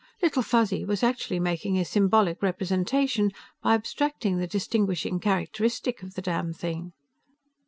Little Fuzzy was actually making a symbolic representation, by abstracting the distinguishing characteristic of the damnthing."